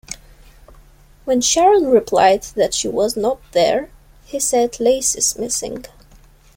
When Sharon replied that she was not there, he said, Laci's missing.